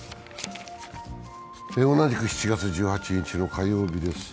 同じく７月１８日の火曜日です